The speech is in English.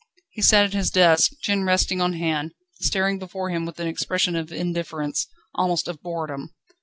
He sat at his desk, chin resting on hand, staring before him with an expression of indifference, almost of boredom.